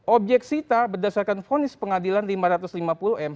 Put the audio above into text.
objek sita berdasarkan vonis pengadilan lima ratus lima puluh m